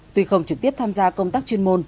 tuy không trực tiếp tham gia công tác chuyên môn